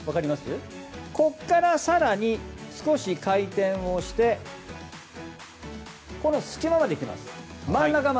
ここから更に少し回転をしてこの隙間までいきます。